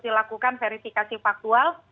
dilakukan verifikasi faktual